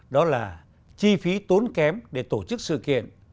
đó là chi phí tốn kém để tổ chức sự kiện